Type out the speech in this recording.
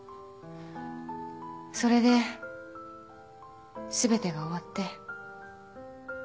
それで全てが終わって